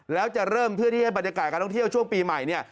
แล้วจะเริ่มเพื่อที่ให้บรรยากาศการท่องเที่ยวช่วงปีใหม่เนี่ย